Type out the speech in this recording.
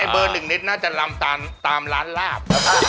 เบอร์๑นิดน่าจะลำตามร้านลาบ